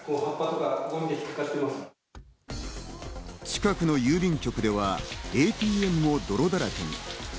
近くの郵便局では、ＡＴＭも泥だらけに。